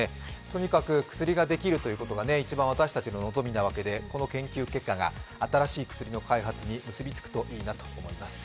とにかく薬ができるということが一番私たちの望みなわけでこの研究結果が新しい薬の開発に結びつけばいいなと思います。